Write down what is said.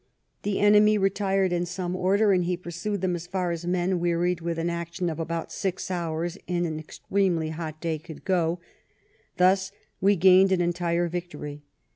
The enemy re tired in some order, and he pursued them as far as men wearied with an action of about six hours, in an ex tremely hot day, could go. Thus we gained an entire victory.